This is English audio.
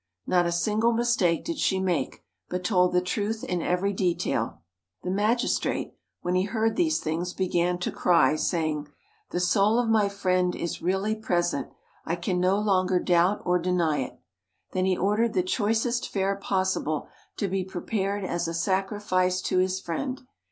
Not a single mistake did she make, but told the truth in every detail. The magistrate, when he heard these things, began to cry, saying, "The soul of my friend is really present; I can no longer doubt or deny it." Then he ordered the choicest fare possible to be prepared as a sacrifice to his friend.